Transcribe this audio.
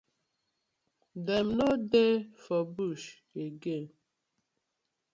Dem no dey for bush again?